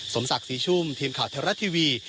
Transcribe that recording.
สมสักสีชุมทีมข่าวเทอร์รัสทีวี